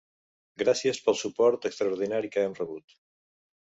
Gràcies pel suport extraordinari que hem rebut.